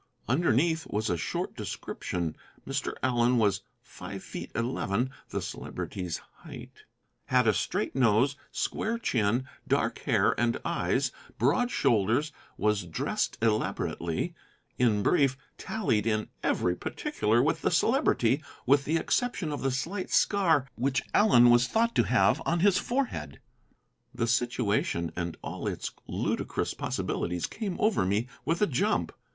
Underneath was a short description. Mr. Allen was five feet eleven (the Celebrity's height), had a straight nose, square chin, dark hair and eyes, broad shoulders, was dressed elaborately; in brief, tallied in every particular with the Celebrity with the exception of the slight scar which Allen was thought to have on his forehead. The situation and all its ludicrous possibilities came over me with a jump.